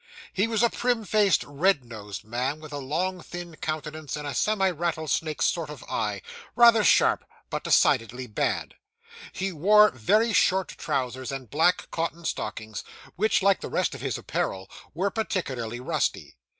He was a prim faced, red nosed man, with a long, thin countenance, and a semi rattlesnake sort of eye rather sharp, but decidedly bad. He wore very short trousers, and black cotton stockings, which, like the rest of his apparel, were particularly rusty.